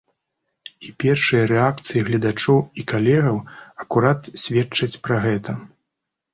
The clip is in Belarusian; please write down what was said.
І першыя рэакцыі гледачоў і калегаў акурат сведчаць пра гэта.